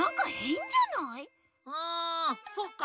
あそっか。